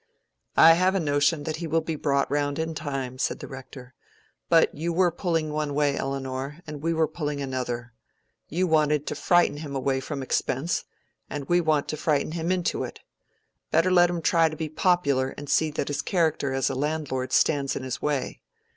"I have a notion that he will be brought round in time," said the Rector. "But you were pulling one way, Elinor, and we were pulling another. You wanted to frighten him away from expense, and we want to frighten him into it. Better let him try to be popular and see that his character as a landlord stands in his way.